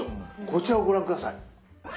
こちらをご覧下さい。